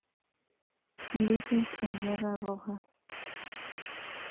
Ulises Aliaga Rojas.